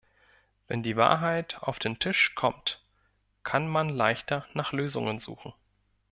Wenn die Wahrheit auf den Tisch kommt, kann man leichter nach Lösungen suchen.